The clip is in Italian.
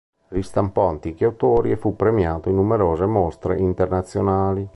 Ristampò antichi autori e fu premiato in numerose mostre internazionali.